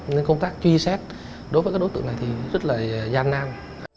nên công tác truy xét đối với các đối tượng này thì rất là gian nang